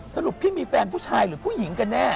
พี่มีแฟนผู้ชายหรือผู้หญิงกันแน่